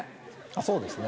そうですね。